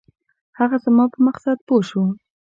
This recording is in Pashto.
هغه زما په مقصد پوی شو.